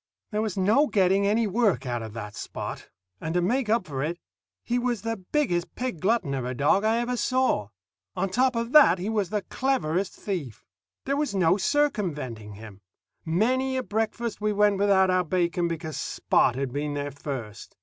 There was no getting any work out of that Spot; and to make up for it, he was the biggest pig glutton of a dog I ever saw. On top of that, he was the cleverest thief. These was no circumventing him. Many a breakfast we went without our bacon because Spot had been there first.